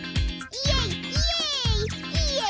イエイイエイ！